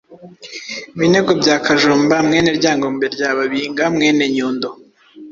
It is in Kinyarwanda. Binego bya Kajumba mwene Ryangombe rya Babinga mwene Nyundo